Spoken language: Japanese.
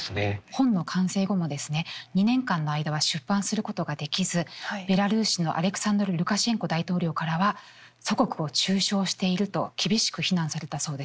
本の完成後もですね２年間の間は出版することができずベラルーシのアレクサンドル・ルカシェンコ大統領からは祖国を中傷していると厳しく非難されたそうです。